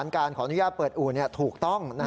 เดี๋ยอการขอนุญญาเปิดอู่ถูกต้อง